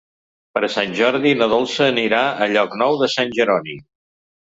Per Sant Jordi na Dolça anirà a Llocnou de Sant Jeroni.